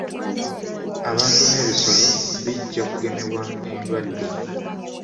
Abantu n'ebisolo bijja kugemebwa endwadde.